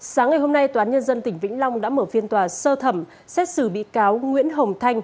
sáng ngày hôm nay toán nhân dân tỉnh vĩnh long đã mở phiên tòa sơ thẩm xét xử bị cáo nguyễn hồng thanh